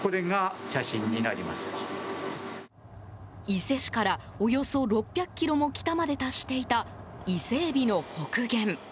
伊勢市からおよそ６００ｋｍも北まで達していたイセエビの北限。